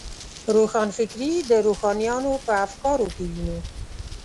روښانفکري د روښانیانو په افکارو کې وینو.